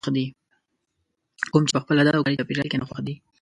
کوم چې په خپله دنده او کاري چاپېريال کې ناخوښ دي.